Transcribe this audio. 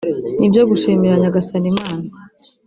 ni ibyo gushimira Nyagasani Imana